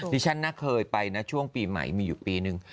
ที่ฉันน่าเคยไปนะช่วงปีใหม่มีอยู่ปีนึง